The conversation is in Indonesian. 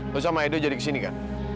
terus sama edo jadi kesini kan